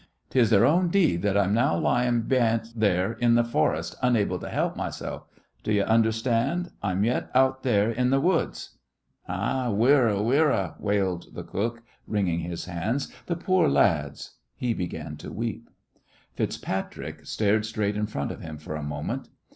'Tis their own deed that I'm now lyin' beyant there in th' forest, unable to help myself. Do you understand? I'm yet out there in th' woods!" "Ah, wirra, wirra!" wailed the cook, wringing his hands. "Th' poor lads!" He began to weep. FitzPatrick stared straight in front of him for a moment.